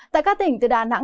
tại các tỉnh từ đà nẵng